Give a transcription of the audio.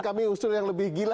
kami usul yang lebih gila